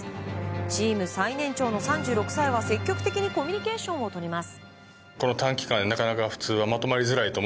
チーム最年長の３６歳は積極的にコミュニケーションをとります。